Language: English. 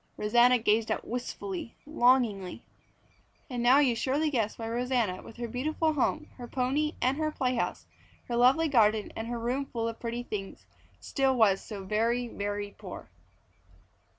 Rosanna gazed out wistfully, longingly. And now you surely guess why Rosanna, with her beautiful home, her pony and her playhouse, her lovely garden, and her room full of pretty things, still was so very, very poor.